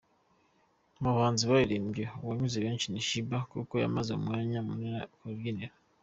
Mu bahanzi baririmbye uwanyuze benshi ni Sheebah kuko yamaze umwanya munini ku rubyiniro.